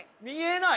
ない？